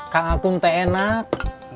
kak akung teh enak